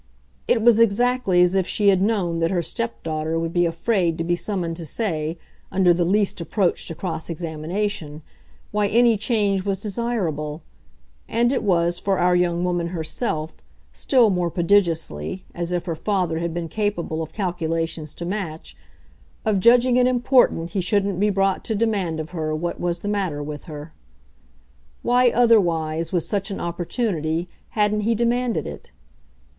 It was exactly as if she had known that her stepdaughter would be afraid to be summoned to say, under the least approach to cross examination, why any change was desirable; and it was, for our young woman herself, still more prodigiously, as if her father had been capable of calculations to match, of judging it important he shouldn't be brought to demand of her what was the matter with her. Why otherwise, with such an opportunity, hadn't he demanded it?